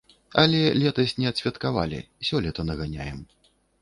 Але летась не адсвяткавалі, сёлета наганяем.